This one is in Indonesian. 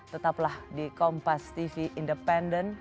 tetaplah di kompas tv independen